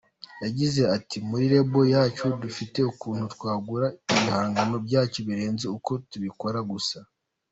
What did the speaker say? Yagize ati :”Muri lebel yacu dufite ukuntu twagura ibihangano byacu birenze uko tubikora gusa.